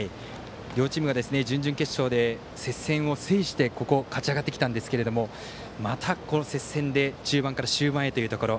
両チームが準々決勝で接戦を制して勝ち上がってきたんですけどもまた接戦で中盤から終盤へというところ。